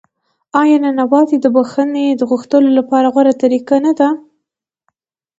آیا نانواتې د بخښنې غوښتلو غوره طریقه نه ده؟